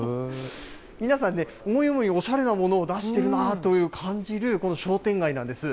皆さんね、思い思いにおしゃれなものを出しているなと感じる、この商店街なんです。